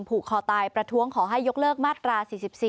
ผูกคอตายประท้วงขอให้ยกเลิกมาตรา๔๔